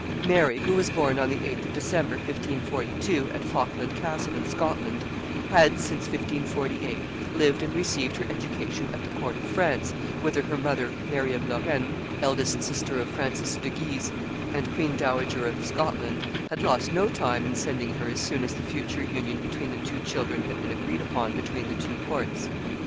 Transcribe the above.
Mary, who was born on the 8th of December, 1542, at Falkland Castle in Scotland, had, since 1548, lived and received her education at the court of France, whither her mother, Mary of Lorraine, eldest sister of Francis of Guise and queen dowager of Scotland, had lost no time in sending her as soon as the future union between the two children had been agreed upon between the two courts.